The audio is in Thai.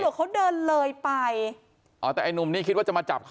เขาเดินเลยไปอ๋อแต่ไอ้หนุ่มนี่คิดว่าจะมาจับคอ